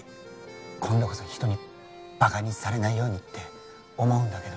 今度こそ人にバカにされないようにって思うんだけど